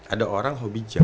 ada orang hobi jenis apa